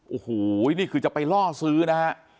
โอ้โหนี่คือจะไปล่อซื้อนะฮะ